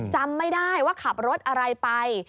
จำไม่ได้ว่าขับรถอะไรไป